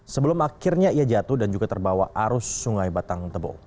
sebelum akhirnya ia jatuh dan juga terbawa arus sungai batang tebo